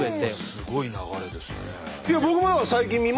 すごい流れですね。